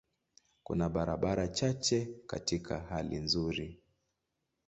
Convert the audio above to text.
Kuna barabara chache katika hali nzuri.